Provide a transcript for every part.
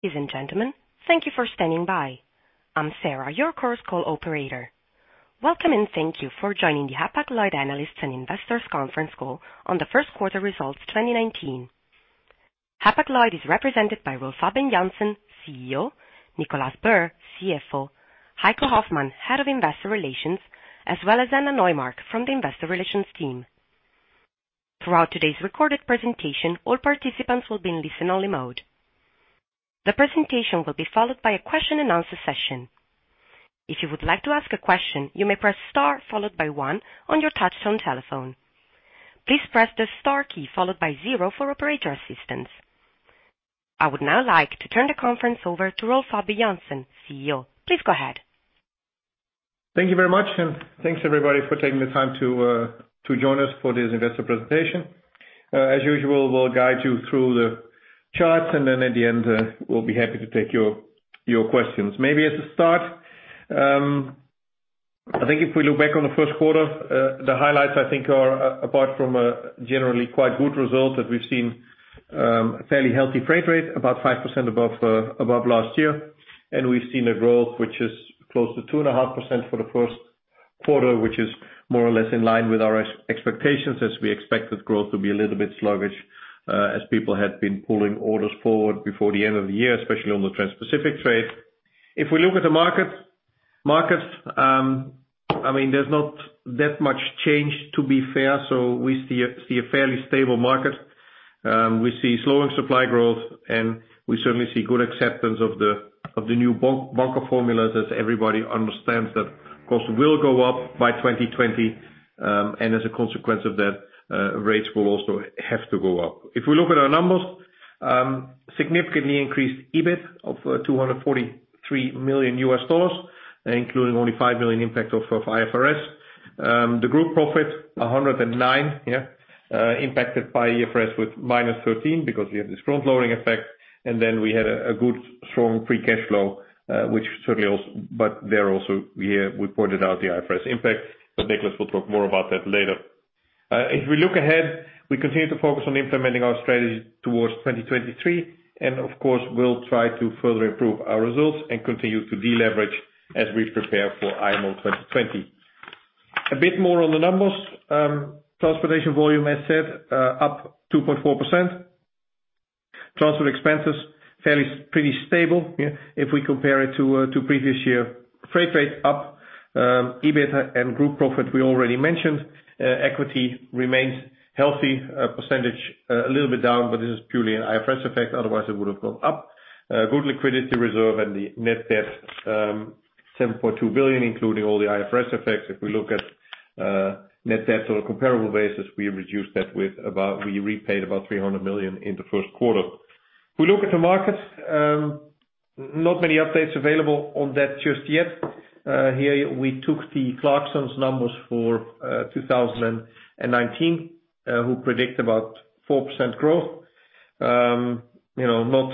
Ladies and gentlemen, thank you for standing by. I'm Sarah, your current call operator. Welcome, and thank you for joining the Hapag-Lloyd Analysts and Investors Conference Call on the first quarter results 2019. Hapag-Lloyd is represented by Rolf Habben Jansen, CEO, Nicolás Burr, CFO, Heiko Hoffmann, Head of Investor Relations, as well as Anna Neumark from the Investor Relations team. Throughout today's recorded presentation, all participants will be in listen-only mode. The presentation will be followed by a question and answer session. If you would like to ask a question, you may press star followed by one on your touchtone telephone. Please press the star key followed by zero for operator assistance. I would now like to turn the conference over to Rolf Habben Jansen, CEO. Please go ahead. Thank you very much, and thanks, everybody, for taking the time to join us for this investor presentation. As usual, we'll guide you through the charts, and then at the end, we'll be happy to take your questions. Maybe as a start, I think if we look back on the first quarter, the highlights I think are, apart from a generally quite good result, that we've seen, a fairly healthy freight rate, about 5% above last year. We've seen a growth which is close to 2.5% for the first quarter, which is more or less in line with our expectations, as we expected growth to be a little bit sluggish, as people had been pulling orders forward before the end of the year, especially on the Transpacific trade. If we look at the market, I mean, there's not that much change, to be fair. We see a fairly stable market. We see slowing supply growth, and we certainly see good acceptance of the new bunker formulas, as everybody understands that costs will go up by 2020. And as a consequence of that, rates will also have to go up. If we look at our numbers, significantly increased EBIT of $243 million, including only $5 million impact of IFRS. The group profit 109, impacted by IFRS with -13 because we have this front-loading effect. We had a good strong free cash flow. But there also, we pointed out the IFRS impact, but Nicolás will talk more about that later. If we look ahead, we continue to focus on implementing our strategy towards 2023, and of course, we'll try to further improve our results and continue to deleverage as we prepare for IMO 2020. A bit more on the numbers. Transportation volume, as said, up 2.4%. Transport expenses, fairly, pretty stable, yeah, if we compare it to previous year. Freight rate up. EBIT and group profit, we already mentioned. Equity remains healthy. Percentage a little bit down, but this is purely an IFRS effect, otherwise, it would have gone up. Good liquidity reserve and the net debt $7.2 billion, including all the IFRS effects. If we look at net debt on a comparable basis, we repaid about $300 million in the first quarter. If we look at the market, not many updates available on that just yet. Here we took the Clarksons numbers for 2019, who predict about 4% growth. You know, not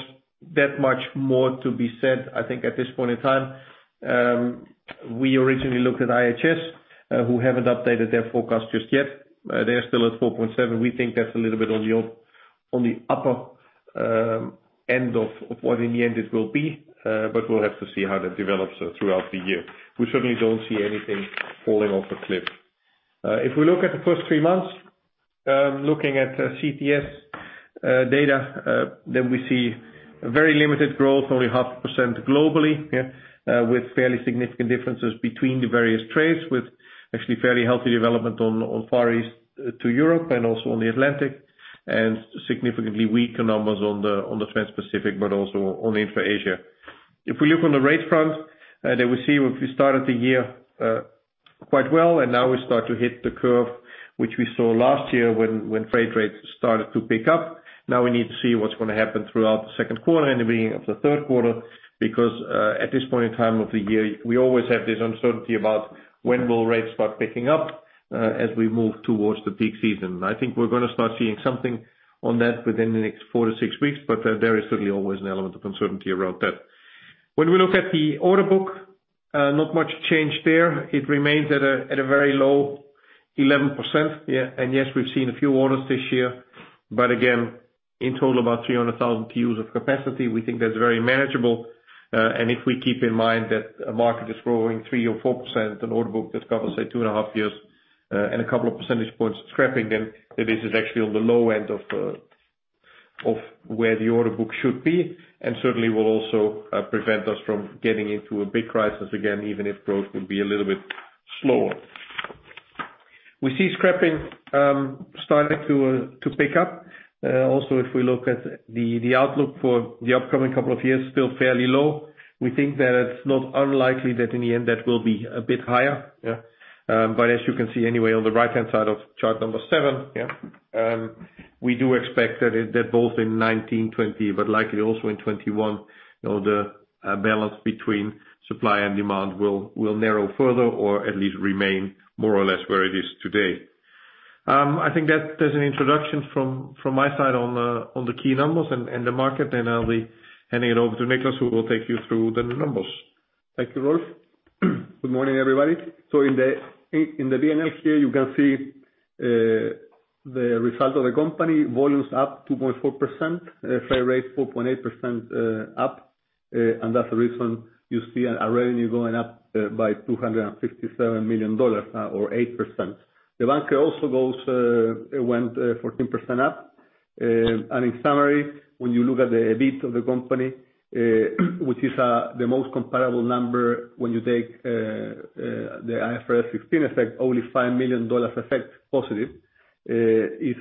that much more to be said, I think, at this point in time. We originally looked at IHS, who haven't updated their forecast just yet. They're still at 4.7%. We think that's a little bit on the upper end of what in the end it will be, but we'll have to see how that develops throughout the year. We certainly don't see anything falling off a cliff. If we look at the first 3 months, looking at CTS data, then we see very limited growth, only 0.5% globally, yeah, with fairly significant differences between the various trades, with actually fairly healthy development on Far East to Europe and also on the Atlantic, and significantly weaker numbers on the Transpacific, but also on Intra-Asia. If we look on the rate front, then we see we started the year quite well, and now we start to hit the curve, which we saw last year when freight rates started to pick up. Now we need to see what's gonna happen throughout the second quarter and the beginning of the third quarter, because at this point in time of the year, we always have this uncertainty about when will rates start picking up as we move towards the peak season. I think we're gonna start seeing something on that within the next 4-6 weeks, but there is certainly always an element of uncertainty around that. When we look at the order book, not much change there. It remains at a very low 11%. Yeah, and yes, we've seen a few orders this year, but again, in total, about 300,000 TEUs of capacity. We think that's very manageable. If we keep in mind that a market is growing 3% or 4%, an order book that covers, say, 2.5 years, and a couple of percentage points of scrapping, then this is actually on the low end of where the order book should be, and certainly will also prevent us from getting into a big crisis again, even if growth would be a little bit slower. We see scrapping starting to pick up. Also, if we look at the outlook for the upcoming couple of years, still fairly low. We think that it's not unlikely that in the end that will be a bit higher, yeah. As you can see anyway, on the right-hand side of chart number 7, we do expect that both in 2019-2020, but likely also in 2021, you know, the balance between supply and demand will narrow further or at least remain more or less where it is today. I think that there's an introduction from my side on the key numbers and the market, and I'll be handing it over to Nicolás, who will take you through the numbers. Thank you, Rolf. Good morning, everybody. In the P&L here, you can see the result of the company. Volumes up 2.4%. Freight rate 4.8% up. That's the reason you see our revenue going up by $257 million, or 8%. The bunker went 14% up. In summary, when you look at the EBIT of the company, which is the most comparable number when you take the IFRS 16 effect, only $5 million effect positive. There is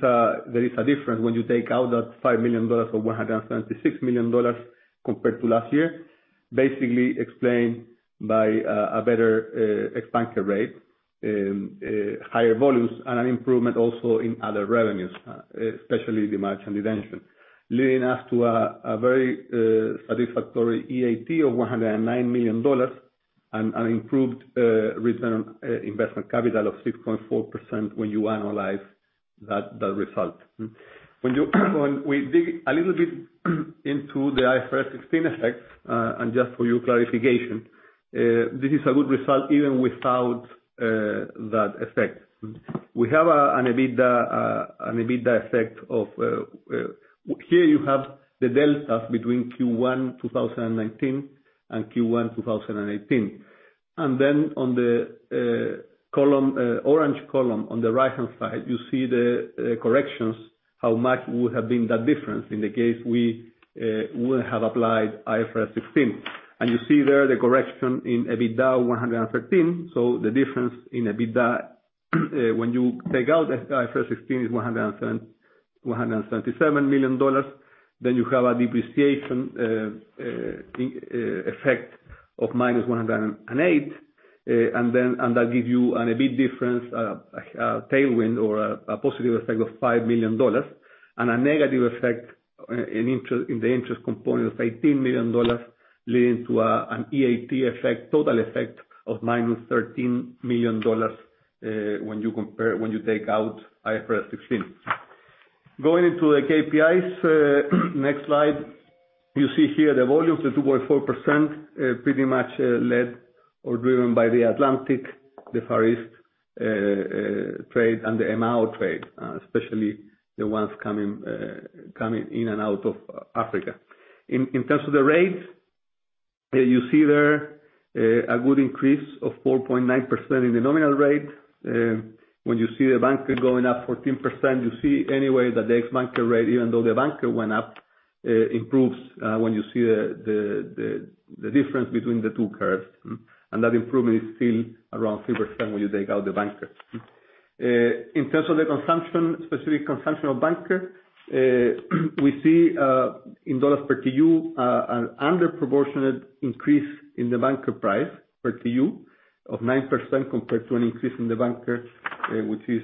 a difference when you take out that $5 million of $176 million compared to last year. Basically explained by a better expansion rate, higher volumes and an improvement also in other revenues, especially the margin retention. Leading us to a very satisfactory EAT of $109 million and improved return on investment capital of 6.4% when you analyze that result. When we dig a little bit into the IFRS 16 effects, and just for your clarification, this is a good result even without that effect. We have an EBITDA effect. Here you have the delta between Q1 2019 and Q1 2018. On the orange column on the right-hand side, you see the corrections, how much would have been that difference in the case we wouldn't have applied IFRS 16. You see there the correction in EBITDA 113. The difference in EBITDA when you take out the IFRS 16 is $177 million. You have a depreciation effect of -$108. That gives you an EBIT difference tailwind or a positive effect of $5 million. A negative effect in the interest component of $18 million, leading to an EAT effect, total effect of -$13 million when you take out IFRS 16. Going into the KPIs. Next slide. You see here the volumes of 2.4%, pretty much led or driven by the Atlantic, the Far East trade, and the MAO trade, especially the ones coming in and out of Africa. In terms of the rates, you see there a good increase of 4.9% in the nominal rate. When you see the bunker going up 14%, you see anyway that the ex-bunker rate, even though the bunker went up, improves when you see the difference between the two curves. That improvement is still around 3% when you take out the bunker. In terms of the consumption, specific consumption of bunker, we see, in dollar per TEU, an under-proportionate increase in the bunker price per TEU of 9% compared to an increase in the bunker, which is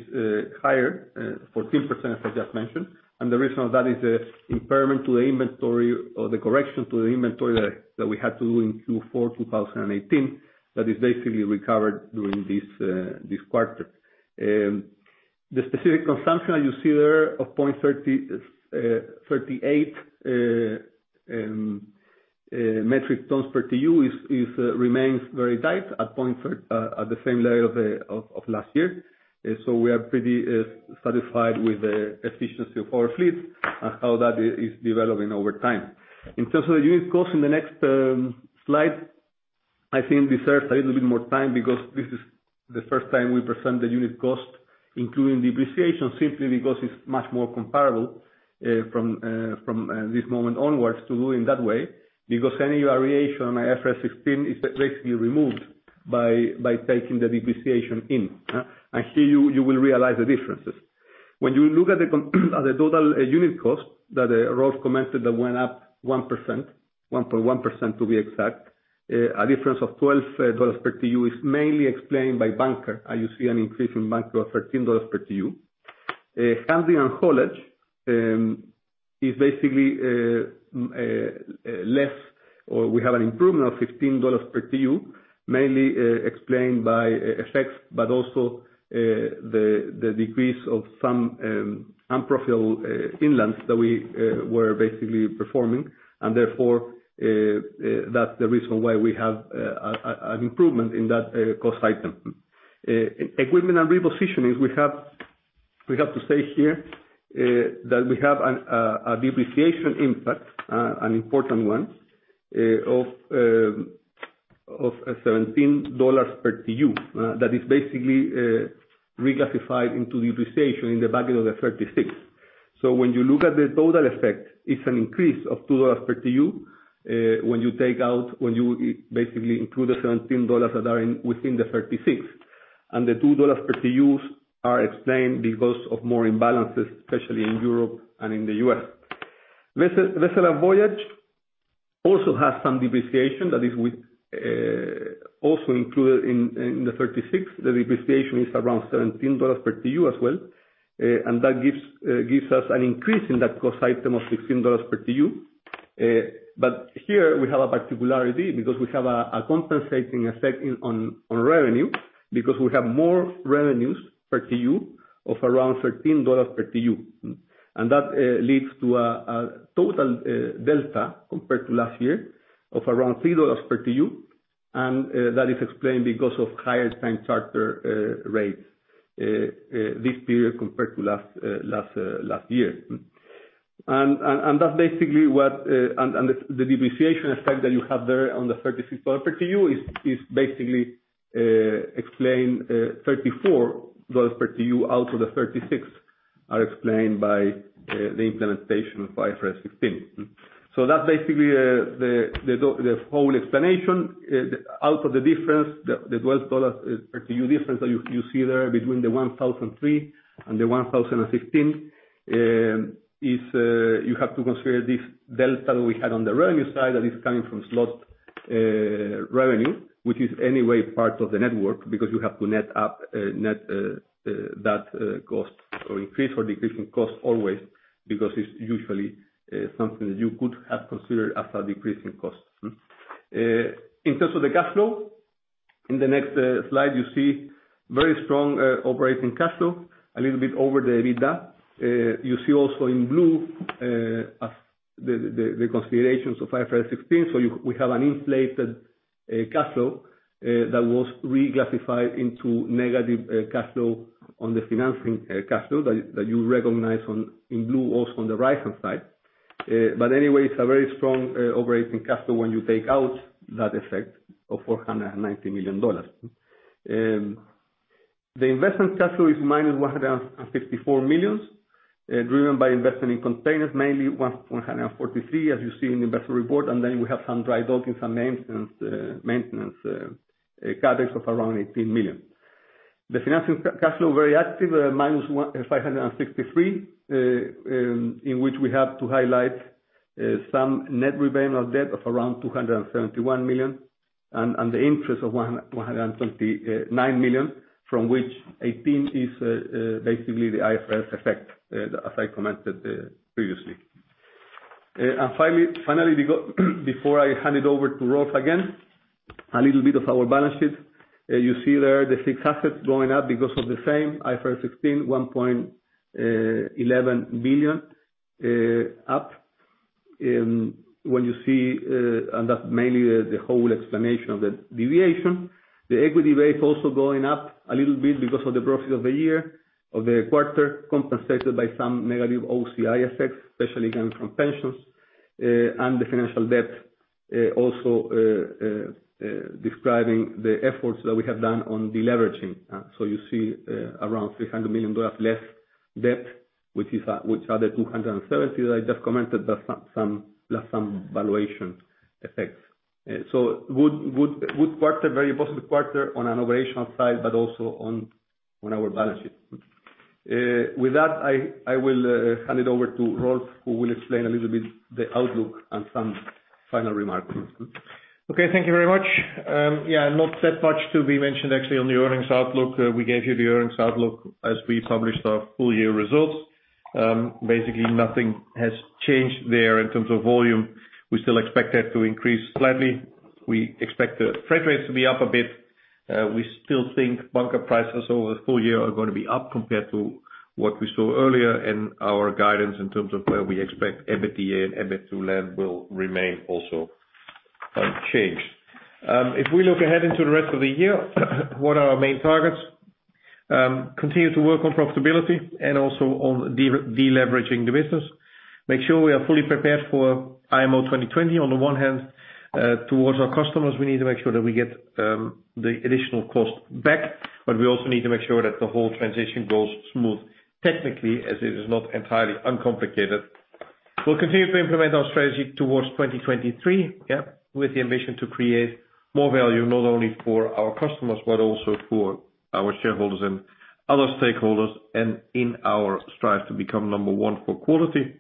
higher, 14%, as I just mentioned. The reason of that is the impairment to the inventory or the correction to the inventory that we had to do in Q4 2018, that is basically recovered during this quarter. The specific consumption that you see there of 0.38 metric tons per TEU remains very tight at the same level of last year. So we are pretty satisfied with the efficiency of our fleet and how that is developing over time. In terms of the unit cost in the next slide, I think deserves a little bit more time because this is the first time we present the unit cost, including depreciation, simply because it's much more comparable from this moment onwards to doing that way. Because any variation on IFRS 16 is basically removed by taking the depreciation in, and here you will realize the differences. When you look at the total unit cost that Rolf commented that went up 1%, 1.1% to be exact. A difference of $12 per TEU is mainly explained by bunker, as you see an increase in bunker of $13 per TEU. Handling and haulage is basically less, or we have an improvement of $15 per TEU, mainly explained by effects, but also the decrease of some unprofitable inlands that we were basically performing. Therefore, that's the reason why we have an improvement in that cost item. Equipment and repositioning, we have to say here that we have a depreciation impact, an important one, of $17 per TEU. That is basically reclassified into depreciation in the back end of the $36. When you look at the total effect, it's an increase of $2 per TEU when you basically include the $17 that are within the $36. The $2 per TEUs are explained because of more imbalances, especially in Europe and in the U.S. Vessel and voyage also has some depreciation that is also included in the $36. The depreciation is around $17 per TEU as well. That gives us an increase in that cost item of $16 per TEU. But here we have a particularity because we have a compensating effect on revenue because we have more revenues per TEU of around $13 per TEU. That leads to a total delta compared to last year of around $3 per TEU, and that is explained because of higher time charter rates this period compared to last year. That's basically what... The depreciation effect that you have there on the $36 per TEU is basically $34 per TEU out of the $36 are explained by the implementation of IFRS 16. That's basically the whole explanation. Out of the difference, the $12 per TEU difference that you see there between the 1,003 and the 1,015 is you have to consider this delta that we had on the revenue side, that is coming from slot revenue. Which is anyway part of the network, because you have to net up that cost or increase or decrease in cost always, because it's usually something that you could have considered as a decrease in cost. In terms of the cash flow, in the next slide you see very strong operating cash flow, a little bit over the EBITDA. You see also in blue as the considerations of IFRS 16. We have an inflated cash flow that was reclassified into negative cash flow on the financing cash flow that you recognize in blue also on the right-hand side. Anyway, it's a very strong operating cash flow when you take out that effect of $490 million. The investment cash flow is -$154 million driven by investment in containers, mainly $143 as you see in the investment report. Then we have some dry dock and some maintenance CapEx of around $18 million. The financing cash flow very active, -$163 million. In which we have to highlight some net repayment of debt of around $271 million. The interest of $129 million from which $18 million is basically the IFRS 16 effect, as I commented previously. Finally we go before I hand it over to Rolf again, a little bit of our balance sheet. You see there the fixed assets going up because of the same IFRS 16, $1.11 billion up. When you see and that's mainly the whole explanation of the deviation. The equity rate also going up a little bit because of the profit of the year, of the quarter, compensated by some negative OCI effects, especially coming from pensions. The financial debt also describing the efforts that we have done on deleveraging. You see around $300 million less debt, which are the 270 that I just commented, that's some plus some valuation effects. Good quarter, very positive quarter on an operational side, but also on our balance sheet. With that, I will hand it over to Rolf, who will explain a little bit the outlook and some final remarks. Okay, thank you very much. Yeah, not that much to be mentioned actually on the earnings outlook. We gave you the earnings outlook as we published our full year results. Basically nothing has changed there in terms of volume. We still expect that to increase slightly. We expect the freight rates to be up a bit. We still think bunker prices over the full year are gonna be up compared to what we saw earlier. Our guidance in terms of where we expect EBITDA and EBIT to land will remain also unchanged. If we look ahead into the rest of the year, what are our main targets? Continue to work on profitability and also on de-deleveraging the business. Make sure we are fully prepared for IMO 2020 on the one hand. Towards our customers, we need to make sure that we get the additional cost back. We also need to make sure that the whole transition goes smooth technically, as it is not entirely uncomplicated. We'll continue to implement our strategy towards 2023, with the ambition to create more value, not only for our customers, but also for our shareholders and other stakeholders. In our strive to become number one for quality,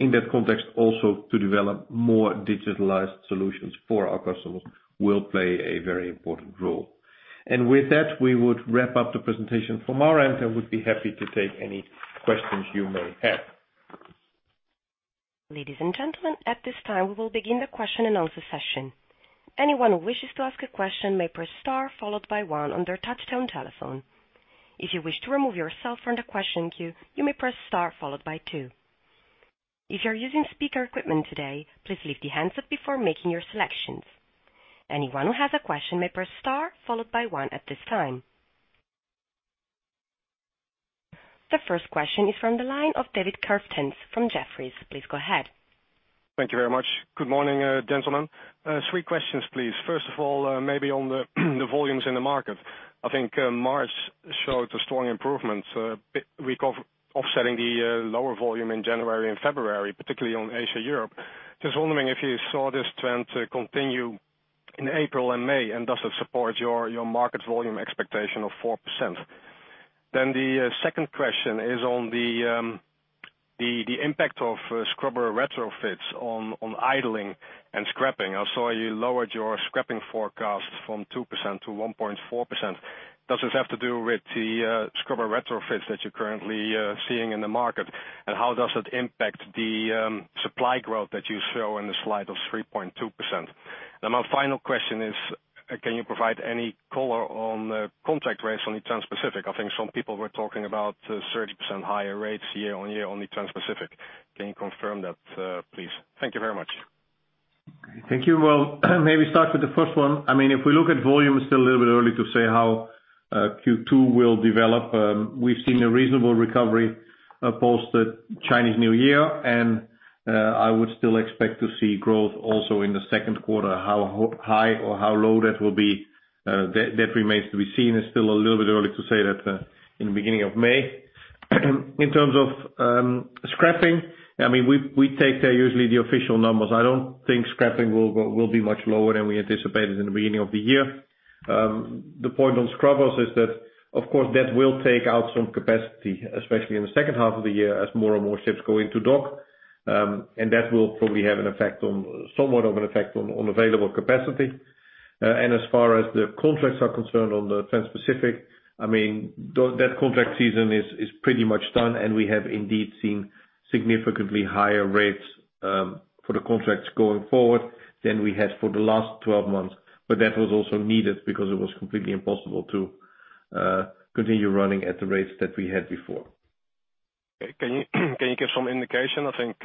in that context also to develop more digitalized solutions for our customers will play a very important role. With that, we would wrap up the presentation from our end, and would be happy to take any questions you may have. Ladies and gentlemen, at this time we will begin the question and answer session. Anyone who wishes to ask a question may press star followed by one on their touchtone telephone. If you wish to remove yourself from the question queue, you may press star followed by two. If you're using speaker equipment today, please lift your handset before making your selections. Anyone who has a question may press star followed by one at this time. The first question is from the line of David Kerstens from Jefferies. Please go ahead. Thank you very much. Good morning, gentlemen. Three questions, please. First of all, maybe on the volumes in the market. I think March showed a strong improvement, offsetting the lower volume in January and February, particularly on Asia-Europe. Just wondering if you saw this trend continue in April and May, and does it support your market volume expectation of 4%? The second question is on the impact of scrubber retrofits on idling and scrapping. I saw you lowered your scrapping forecast from 2% to 1.4%. Does this have to do with the scrubber retrofits that you're currently seeing in the market? How does it impact the supply growth that you show in the slide of 3.2%? My final question is, can you provide any color on the contract rates on the Transpacific? I think some people were talking about 30% higher rates year-over-year on the Transpacific. Can you confirm that, please? Thank you very much. Thank you. Well, maybe start with the first one. I mean, if we look at volume, it's still a little bit early to say how Q2 will develop. We've seen a reasonable recovery post the Chinese New Year, and I would still expect to see growth also in the second quarter. How high or how low that will be, that remains to be seen. It's still a little bit early to say that in the beginning of May. In terms of scrapping, I mean, we take usually the official numbers. I don't think scrapping will be much lower than we anticipated in the beginning of the year. The point on scrubbers is that of course, that will take out some capacity, especially in the second half of the year, as more and more ships go into dock. That will probably have somewhat of an effect on available capacity. As far as the contracts are concerned on the Transpacific, I mean, that contract season is pretty much done, and we have indeed seen significantly higher rates for the contracts going forward than we had for the last 12 months. That was also needed because it was completely impossible to continue running at the rates that we had before. Okay. Can you give some indication? I think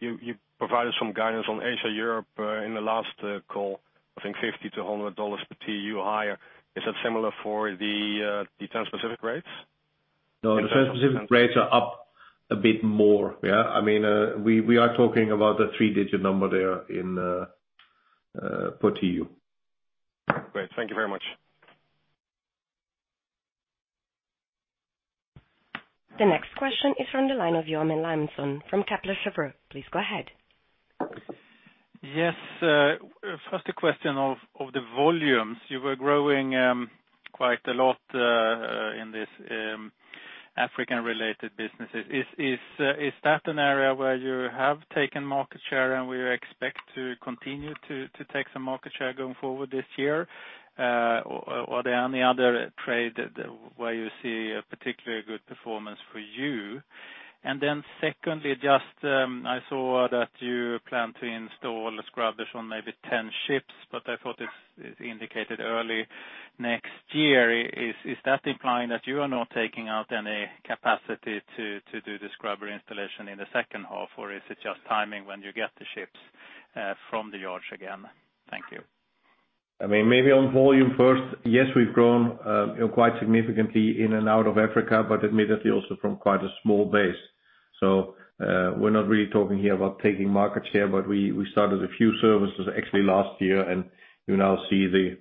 you provided some guidance on Asia-Europe in the last call. I think $50-$100 per TEU higher. Is that similar for the Transpacific rates? No, the Transpacific rates are up a bit more, yeah. I mean, we are talking about a three-digit number there per TEU. Great. Thank you very much. The next question is from the line of Johan Eliason from Kepler Cheuvreux. Please go ahead. Yes. First a question of the volumes. You were growing quite a lot in this African-related businesses. Is that an area where you have taken market share, and where you expect to continue to take some market share going forward this year? Or are there any other trade where you see a particularly good performance for you? Secondly, just I saw that you plan to install scrubbers on maybe 10 ships, but I thought it's indicated early next year. Is that implying that you are not taking out any capacity to do the scrubber installation in the second half, or is it just timing when you get the ships from the yards again? Thank you. I mean, maybe on volume first. Yes, we've grown quite significantly in and out of Africa, but admittedly also from quite a small base. We're not really talking here about taking market share, but we started a few services actually last year, and you now see the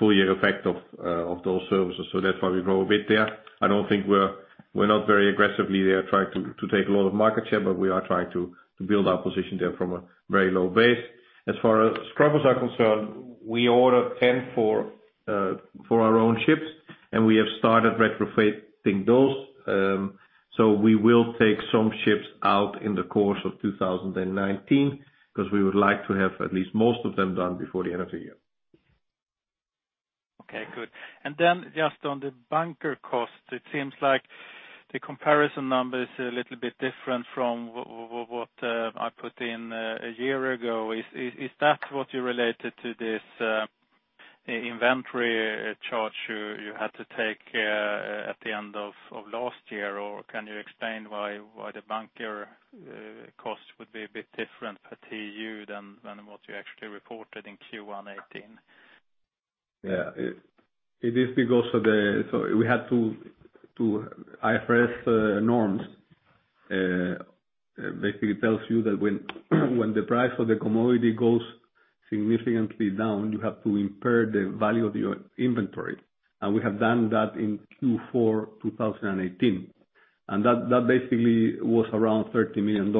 full year effect of those services. That's why we grow a bit there. I don't think we're very aggressively there trying to take a lot of market share, but we are trying to build our position there from a very low base. As far as scrubbers are concerned, we ordered 10 for our own ships, and we have started retrofitting those. We will take some ships out in the course of 2019, 'cause we would like to have at least most of them done before the end of the year. Okay, good. Just on the bunker cost, it seems like the comparison number is a little bit different from what I put in a year ago. Is that what you related to this inventory charge you had to take at the end of last year? Or can you explain why the bunker cost would be a bit different per TEU than what you actually reported in Q1 2018? Yeah. It is because of the IFRS norms. Basically it tells you that when the price of the commodity goes significantly down, you have to impair the value of your inventory. We have done that in Q4 2018. That basically was around $30 million.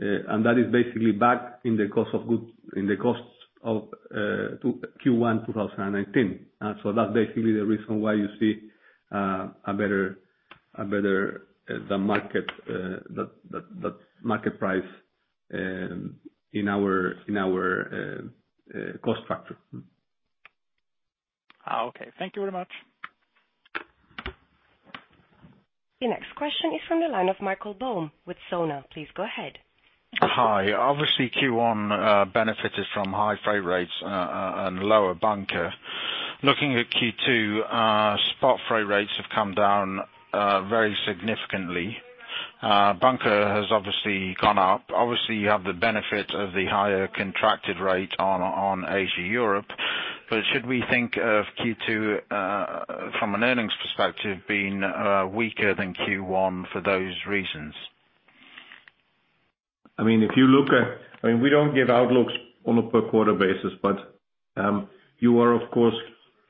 That is basically back in the cost of goods, in the costs of Q1 2019. That's basically the reason why you see a better market price in our cost factor. Okay. Thank you very much. The next question is from the line of [Michael Dome with Sono]. Please go ahead. Hi. Obviously, Q1 benefited from high freight rates and lower bunker. Looking at Q2, spot freight rates have come down very significantly. Bunker has obviously gone up. Obviously, you have the benefit of the higher contracted rate on Asia-Europe. Should we think of Q2 from an earnings perspective, being weaker than Q1 for those reasons? I mean, we don't give outlooks on a per quarter basis, but you are of course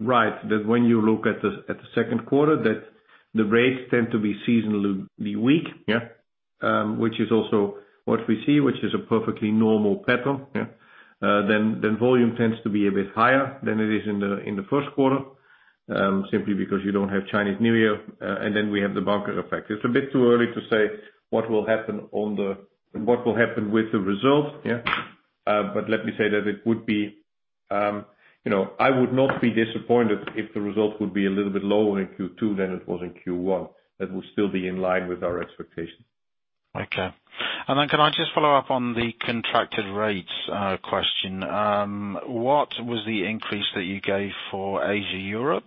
right that when you look at the second quarter, that the rates tend to be seasonally weak. Yeah. Which is also what we see, which is a perfectly normal pattern. Volume tends to be a bit higher than it is in the first quarter, simply because you don't have Chinese New Year, and then we have the bunker effect. It's a bit too early to say what will happen with the result. Yeah. let me say that it would be, you know, I would not be disappointed if the result would be a little bit lower in Q2 than it was in Q1. That would still be in line with our expectation. Okay. Can I just follow up on the contracted rates question? What was the increase that you gave for Asia-Europe?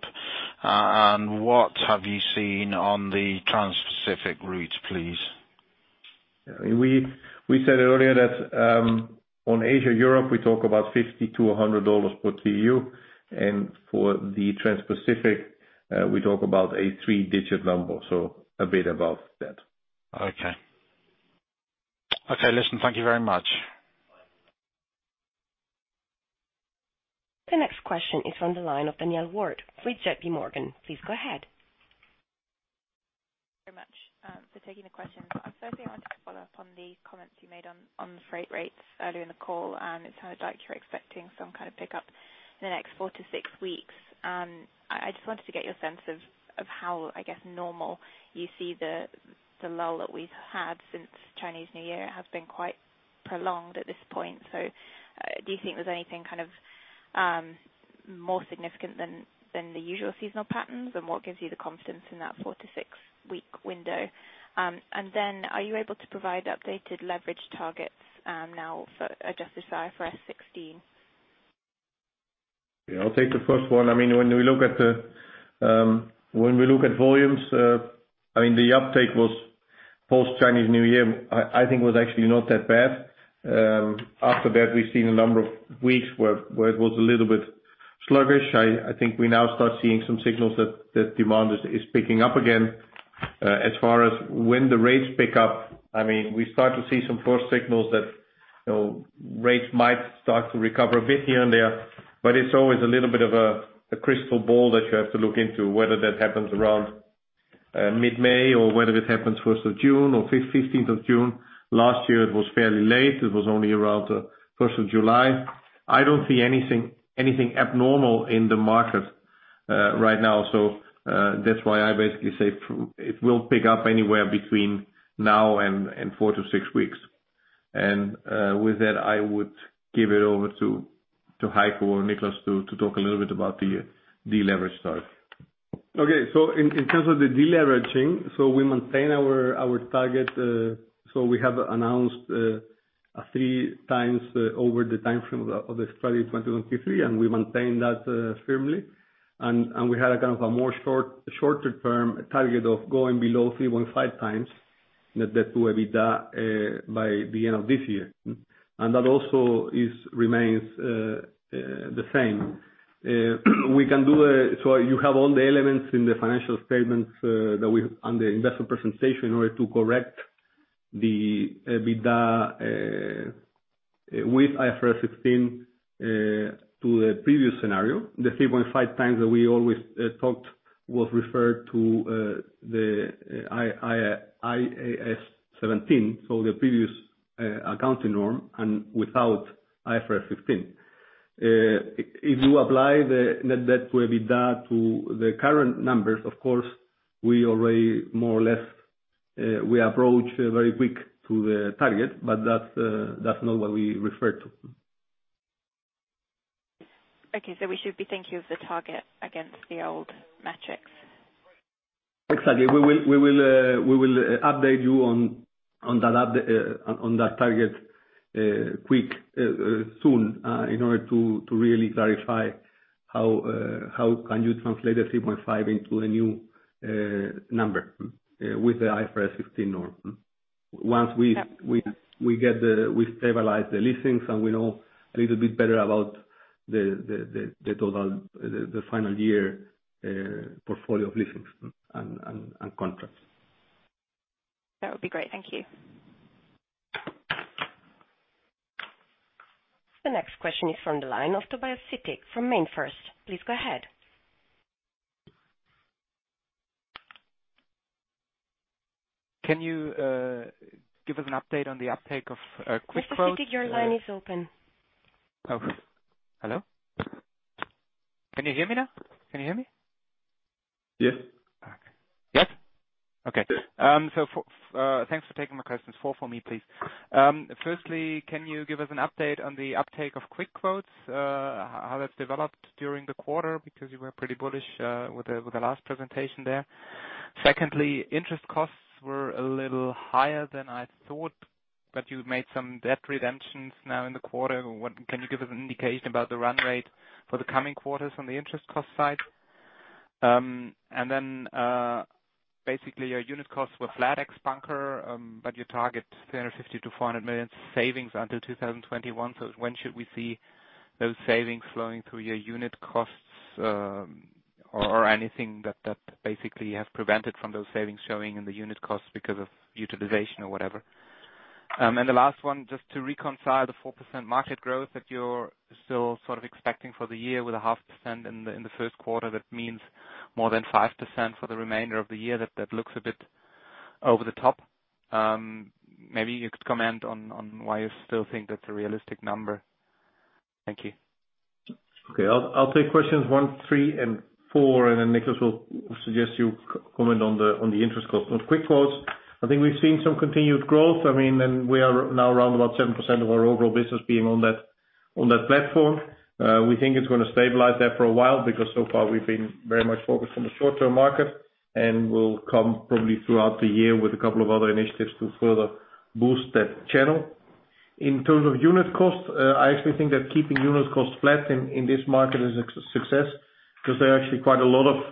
What have you seen on the Transpacific route, please? Yeah. We said earlier that on Asia/Europe, we talk about $50-$100 per TEU, and for the Transpacific, we talk about a 3-digit number, so a bit above that. Okay, listen, thank you very much. The next question is from the line of Danielle Ward with J.P. Morgan. Please go ahead. very much for taking the questions. I firstly wanted to follow up on the comments you made on the freight rates earlier in the call. It sounded like you're expecting some kind of pickup in the next 4-6 weeks. I just wanted to get your sense of how, I guess, normal you see the lull that we've had since Chinese New Year. It has been quite prolonged at this point, so do you think there's anything kind of more significant than the usual seasonal patterns? What gives you the confidence in that 4-6-week window? Then are you able to provide updated leverage targets now for adjusted IFRS 16? Yeah, I'll take the first one. I mean, when we look at volumes, I mean the uptake was post Chinese New Year, I think it was actually not that bad. After that, we've seen a number of weeks where it was a little bit sluggish. I think we now start seeing some signals that demand is picking up again. As far as when the rates pick up, I mean, we start to see some first signals that, you know, rates might start to recover a bit here and there, but it's always a little bit of a crystal ball that you have to look into, whether that happens around mid-May, or whether it happens 1st of June or 15th of June. Last year it was fairly late. It was only around 1st of July. I don't see anything abnormal in the market right now. That's why I basically say it will pick up anywhere between now and 4-6 weeks. With that, I would give it over to Heiko or Nicholas to talk a little bit about the de-leverage target. Okay. In terms of the de-leveraging, we maintain our target, so we have announced a 3x over the time frame of the strategy 2021 to 2023, and we maintain that firmly. We had a kind of a shorter term target of going below 3.5x net debt-to-EBITDA by the end of this year. That also remains the same. We can do so, you have all the elements in the financial statements on the investor presentation in order to correct the EBITDA with IFRS 16 to the previous scenario. The 3.5x that we always talked was referred to the IAS 17, the previous accounting norm and without IFRS 16. If you apply the net debt-to-EBITDA to the current numbers, of course, we already more or less we approach very quick to the target, but that's not what we refer to. Okay. We should be thinking of the target against the old metrics. Exactly. We will update you on that update on that target quickly soon in order to really clarify how you can translate a 3.5 into a new number with the IFRS 16 norm. Once we Yeah. We stabilize the listings and we know a little bit better about the total, the final year portfolio of listings and contracts. That would be great. Thank you. The next question is from the line of Tobias Sittig from MainFirst. Please go ahead. Can you give us an update on the uptake of Quick Quotes? Tobias Sittig, your line is open. Oh. Hello? Can you hear me now? Can you hear me? Yes. Thanks for taking my questions. 4 for me, please. Firstly, can you give us an update on the uptake of Quick Quotes, how that's developed during the quarter because you were pretty bullish with the last presentation there. Secondly, interest costs were a little higher than I thought, but you made some debt redemptions now in the quarter. Can you give us an indication about the run rate for the coming quarters on the interest cost side? Basically your unit costs were flat ex bunker, but you target $350 million-$400 million savings until 2021. When should we see those savings flowing through your unit costs, or anything that basically have prevented from those savings showing in the unit costs because of utilization or whatever? The last one, just to reconcile the 4% market growth that you're still sort of expecting for the year with a 0.5% in the first quarter, that means more than 5% for the remainder of the year. That looks a bit over the top. Maybe you could comment on why you still think that's a realistic number. Thank you. Okay. I'll take questions 1, 3, and 4, and then Nicolás will suggest you comment on the interest cost. On Quick Quotes, I think we've seen some continued growth. I mean, we are now around about 7% of our overall business being on that platform. We think it's gonna stabilize there for a while because so far we've been very much focused on the short-term market, and we'll come probably throughout the year with a couple of other initiatives to further boost that channel. In terms of unit cost, I actually think that keeping unit cost flat in this market is a success 'cause there are actually quite a lot of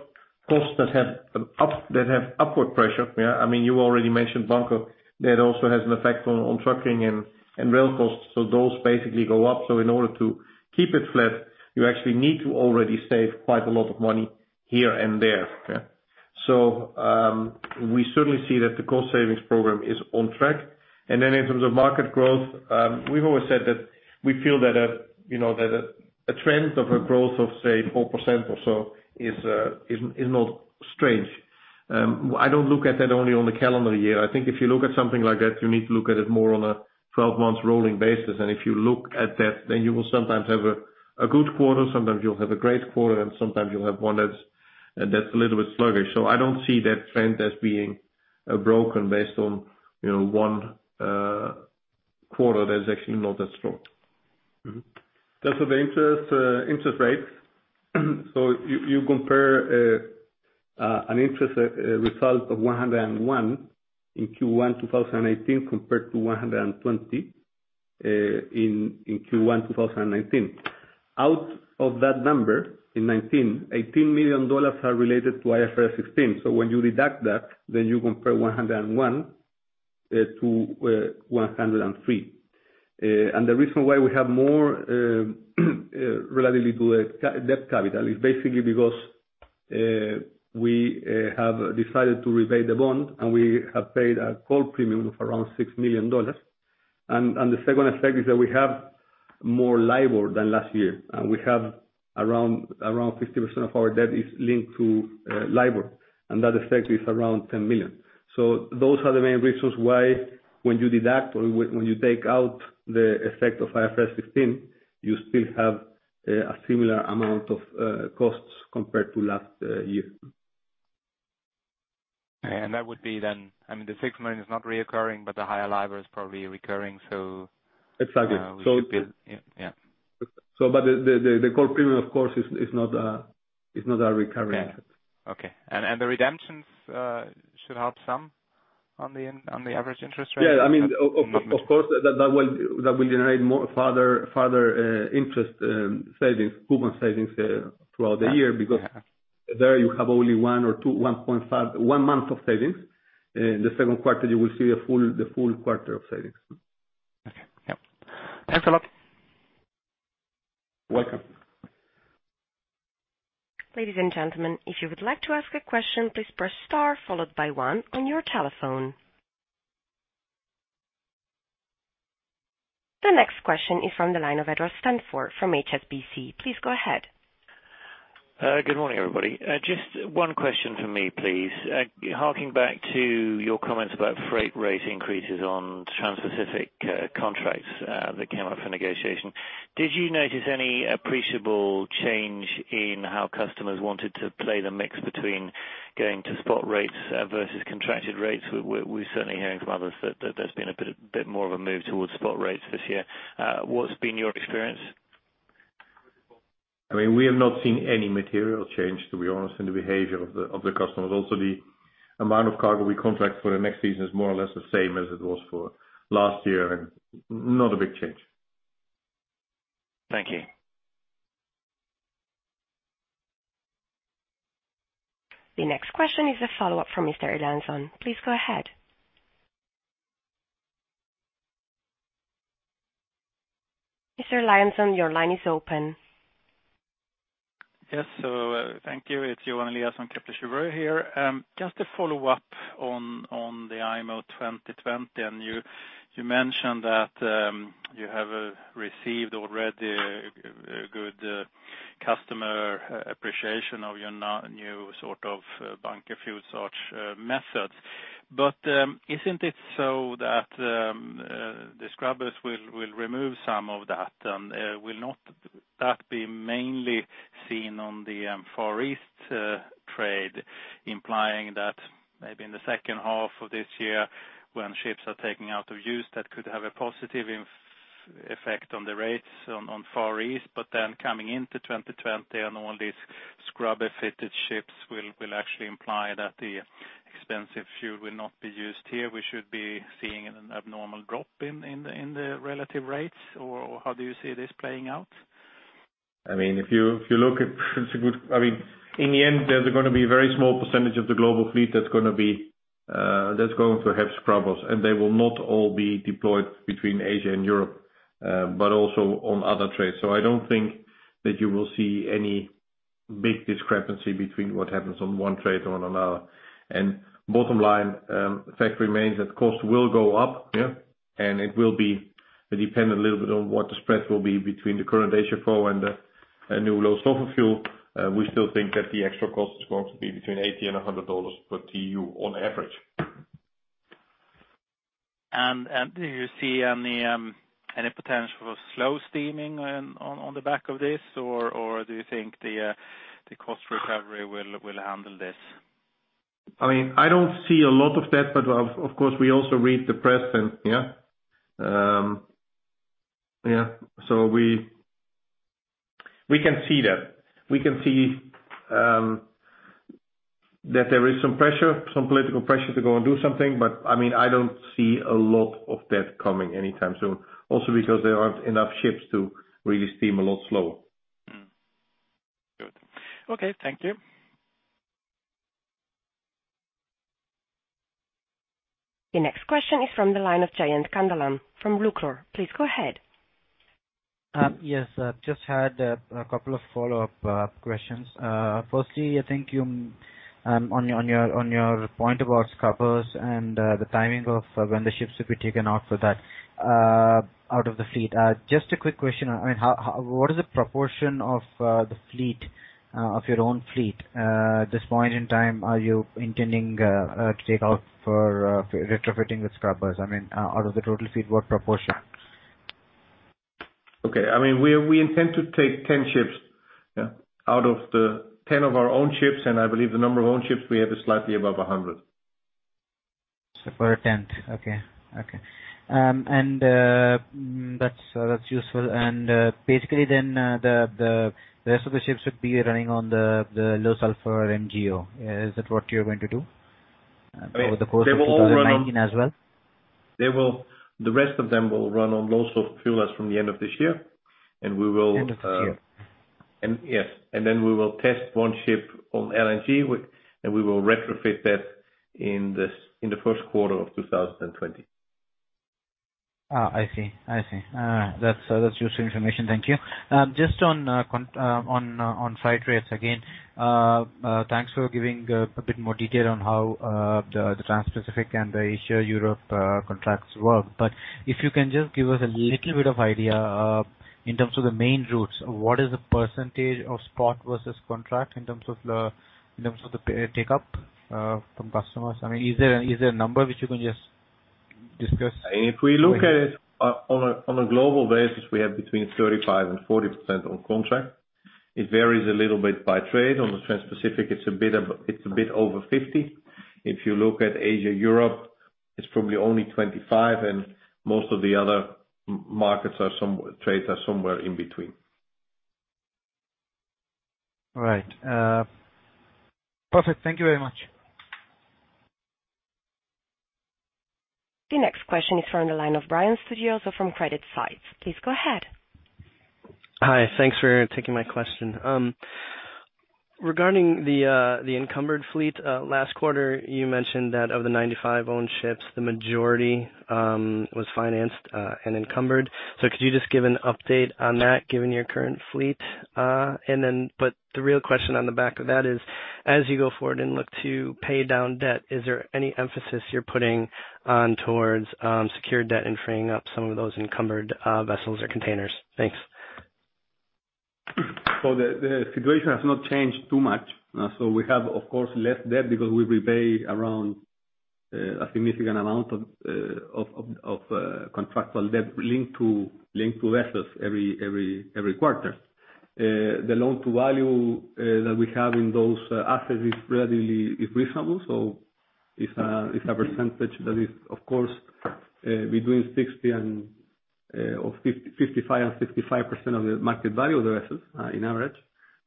costs that have upward pressure. Yeah, I mean, you already mentioned bunker, that also has an effect on trucking and rail costs. Those basically go up. In order to keep it flat, you actually need to already save quite a lot of money here and there. Okay. We certainly see that the cost savings program is on track. In terms of market growth, we've always said that we feel that, you know, that a trend of a growth of, say, 4% or so is not strange. I don't look at that only on the calendar year. I think if you look at something like that, you need to look at it more on a 12 months rolling basis. If you look at that, then you will sometimes have a good quarter, sometimes you'll have a great quarter, and sometimes you'll have one that's a little bit sluggish. I don't see that trend as being broken based on, you know, one quarter that is actually not that strong. That's for the interest rates. You compare an interest result of 101 in Q1 2018 compared to 120 in Q1 2019. Out of that number, $18 million are related to IFRS 16. When you deduct that, you compare 101 to 103. The reason why we have more related to capital is basically because we have decided to repay the bond, and we have paid a call premium of around $6 million. The second effect is that we have more LIBOR than last year. We have around 50% of our debt linked to LIBOR, and that effect is around $10 million. Those are the main reasons why when you deduct or when you take out the effect of IFRS 16, you still have a similar amount of costs compared to last year. That would be then, I mean, the $6 million is not recurring, but the higher LIBOR is probably recurring. So- Exactly. Yeah. The call premium, of course, is not a recurring interest. Okay. The redemptions should help some on the average interest rate? Yeah. I mean, of course, that will generate more further interest savings, coupon savings throughout the year. Yeah. Because there you have only one or two, 1.5, one month of savings. The second quarter, you will see the full quarter of savings. Okay. Yep. Thanks a lot. Welcome. Ladies and gentlemen if you would like to ask a question please press star followed by one on your telephone. The next question is from the line of Edward Stanford from HSBC. Please go ahead. Good morning, everybody. Just one question from me, please. Harking back to your comments about freight rate increases on Transpacific contracts that came up for negotiation. Did you notice any appreciable change in how customers wanted to play the mix between going to spot rates versus contracted rates? We're certainly hearing from others that there's been a bit more of a move towards spot rates this year. What's been your experience? I mean, we have not seen any material change, to be honest, in the behavior of the customers. Also, the amount of cargo we contract for the next season is more or less the same as it was for last year, and not a big change. Thank you. The next question is a follow-up from Mr. Eliason. Please go ahead. Mr. Eliason, your line is open. Yes. Thank you. It's Johan Eliason, Kepler Cheuvreux here. Just a follow-up on the IMO 2020. You mentioned that you have received already a good customer appreciation of your new sort of bunker fuel surcharge methods. Isn't it so that the scrubbers will remove some of that? Will not that be mainly seen on the Far East trade, implying that maybe in the second half of this year, when ships are taken out of use, that could have a positive effect on the rates on Far East? Coming into 2020 and all these scrubber-fitted ships will actually imply that the expensive fuel will not be used here. We should be seeing an abnormal drop in the relative rates or how do you see this playing out? I mean, if you look at, in the end, there's gonna be a very small percentage of the global fleet that's going to have scrubbers, and they will not all be deployed between Asia and Europe, but also on other trades. I don't think that you will see any big discrepancy between what happens on one trade or on another. Bottom line, the fact remains that costs will go up. It will be dependent a little bit on what the spread will be between the current HSFO and new low sulfur fuel. We still think that the extra cost is going to be between $80-$100 per TEU on average. Do you see any potential for slow steaming on the back of this, or do you think the cost recovery will handle this? I mean, I don't see a lot of that, but of course, we also read the press and yeah. Yeah. We We can see that. We can see that there is some pressure, some political pressure to go and do something. I mean, I don't see a lot of that coming anytime soon, also because there aren't enough ships to really steam a lot slower. Mm-hmm. Good. Okay. Thank you. The next question is from the line of Jayanth Kandalam from Lucror. Please go ahead. Yes. Just had a couple of follow-up questions. Firstly, on your point about scrubbers and the timing of when the ships will be taken out for that out of the fleet. Just a quick question. I mean, what is the proportion of the fleet of your own fleet at this point in time are you intending to take out for retrofitting the scrubbers? I mean, out of the total fleet, what proportion? Okay. I mean, we intend to take 10 ships, yeah, out of the ten of our own ships, and I believe the number of own ships we have is slightly above 100. For a 10th. Okay. Okay. That's useful. Basically then, the rest of the ships would be running on the low sulfur MGO. Is that what you're going to do? I mean, they will all run on- over the course of 2019 as well? The rest of them will run on low sulfur fuels from the end of this year, and we will End of this year. We will test one ship on LNG. We will retrofit that in the first quarter of 2020. I see. That's useful information. Thank you. Just on spot rates again. Thanks for giving a bit more detail on how the Transpacific and the Asia-Europe contracts work. If you can just give us a little bit of idea in terms of the main routes, what is the percentage of spot versus contract in terms of the take-up from customers? I mean, is there a number which you can just discuss? If we look at it on a global basis, we have between 35% and 40% on contract. It varies a little bit by trade. On the Transpacific, it's a bit over 50%. If you look at Asia-Europe, it's probably only 25%, and most of the other trades are somewhere in between. All right. Perfect. Thank you very much. The next question is from the line of Brian Studioso from CreditSights. Please go ahead. Hi. Thanks for taking my question. Regarding the encumbered fleet, last quarter, you mentioned that of the 95 owned ships, the majority was financed and encumbered. Could you just give an update on that given your current fleet? The real question on the back of that is, as you go forward and look to pay down debt, is there any emphasis you're putting on towards secured debt and freeing up some of those encumbered vessels or containers? Thanks. The situation has not changed too much. We have, of course, less debt because we repay around a significant amount of contractual debt linked to assets every quarter. The loan-to-value that we have in those assets is relatively reasonable. It's a percentage that is, of course, 55%-65% of the market value of the assets, on average.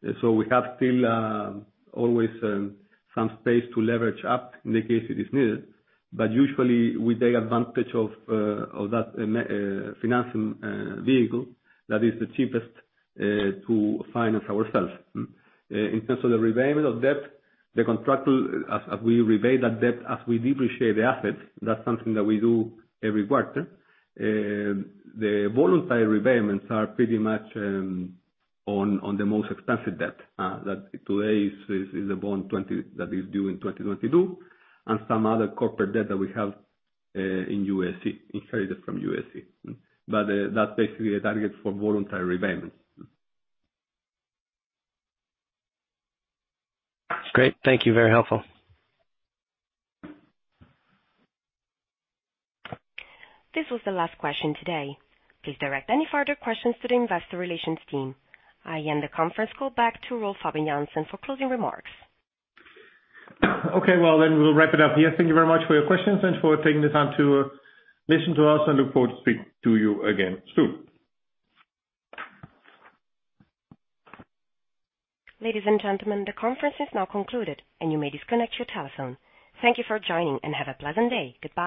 We still always have some space to leverage up in case it is needed. Usually we take advantage of that financing vehicle that is the cheapest to finance ourselves. In terms of the repayment of debt, as we repay that debt, as we depreciate the assets, that's something that we do every quarter. The voluntary repayments are pretty much on the most expensive debt that today is a bond 2020 that is due in 2022, and some other corporate debt that we have in UASC, inherited from UASC. That's basically a target for voluntary repayments. Great. Thank you. Very helpful. This was the last question today. Please direct any further questions to the investor relations team. I hand the conference call back to Rolf Habben Jansen for closing remarks. Okay. Well, then we'll wrap it up here. Thank you very much for your questions and for taking the time to listen to us, and look forward to speak to you again soon. Ladies and gentlemen, the conference is now concluded, and you may disconnect your telephone. Thank you for joining, and have a pleasant day. Goodbye.